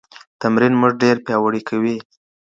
تمرين موږ ډېر پياوړي کوي.